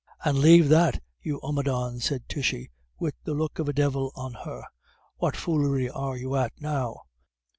"And 'Lave that, you omadhawn,' sez Tishy, wid the look of a divil on her,' what foolery are you at now?'